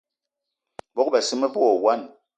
Bogb-assi me ve wo wine.